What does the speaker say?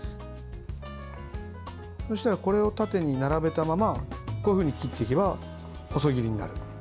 これを縦に並べたままこういうふうに切っていけば細切りになる。